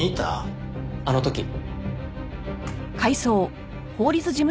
あの時。